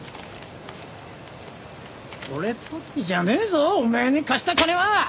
これっぽっちじゃねえぞおめえに貸した金は！